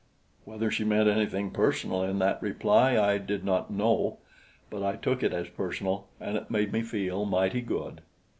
Whether she meant anything personal in that reply I did not know; but I took it as personal and it made me feel mighty good.